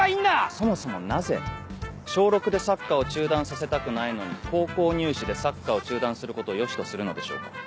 そもそもなぜ小６でサッカーを中断させたくないのに高校入試でサッカーを中断することを良しとするのでしょうか。